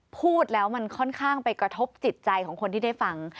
พูดแล้วมันค่อนข้างไปกระทบจิตใจของคนที่ได้ฟัง